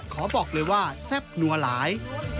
ขอบอกเลยว่าแซ่บนัวหลาย